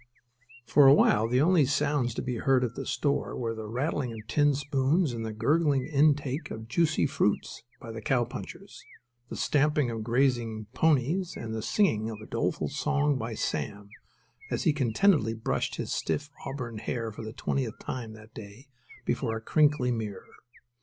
For a while the only sounds to be heard at the store were the rattling of the tin spoons and the gurgling intake of the juicy fruits by the cowpunchers, the stamping of the grazing ponies, and the singing of a doleful song by Sam as he contentedly brushed his stiff auburn hair for the twentieth time that day before a crinkly mirror.